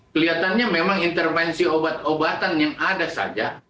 kelihatannya memang intervensi obat obatan yang ada saja